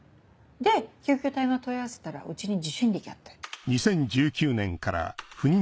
で救急隊が問い合わせたらうちに受診歴あって。